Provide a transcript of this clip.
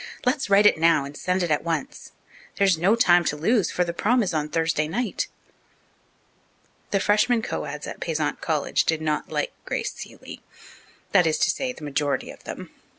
Let's write it now, and send it at once. There is no time to lose, for the 'prom' is on Thursday night." The freshmen co eds at Payzant College did not like Grace Seeley that is to say, the majority of them.